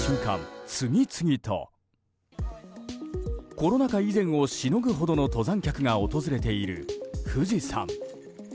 コロナ禍以前をしのぐほどの登山客が訪れている富士山。